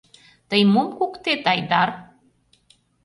Тый мом куктет, Айдар?